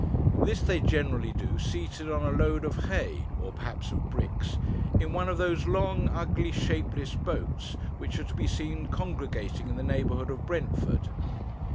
This they generally do seated on a load of hay, or perhaps of bricks, in one of those long, ugly, shapeless boats, which are to be seen congregating in the neighbourhood of Brentford.